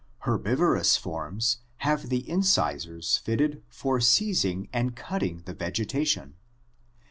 Herbivorous forms have the incisors fitted for seizing and cutting the vegetation.